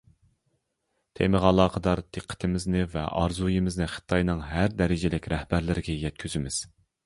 تېمىغا ئالاقىدار دىققىتىمىزنى ۋە ئارزۇيىمىزنى خىتاينىڭ ھەر دەرىجىلىك رەھبەرلىرىگە يەتكۈزىمىز.